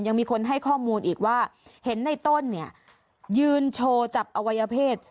ยังมีคนให้ข้อมูลอีกว่าเห็นในต้นเนี่ยยืนโชว์จับอวัยเพศ